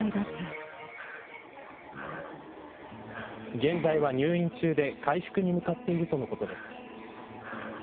現在は入院中で回復に向かっているとのことです。